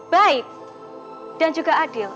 baik dan juga adil